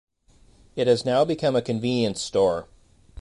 It has now become a convenience store.